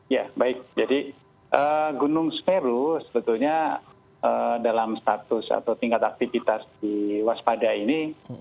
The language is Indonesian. ya baik jadi gunung semeru sebetulnya dalam status atau tingkat aktivitas di waspada ini